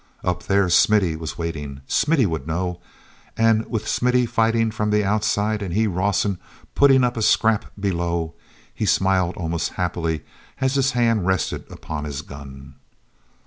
Up there Smithy was waiting. Smithy would know. And with Smithy fighting from the outside and he, Rawson, putting up a scrap below.... He smiled almost happily as his hand rested upon his gun.